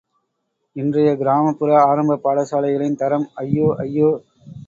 இன்றைய கிராமப்புற ஆரம்பப் பாடசாலைகளின் தரம்... ஐயோ... ஐயோ...!